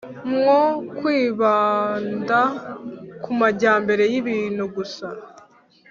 nko kwibanda ku majyambere y’ibintu gusa,